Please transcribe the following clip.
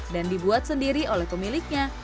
dan dibuat sendiri oleh pemiliknya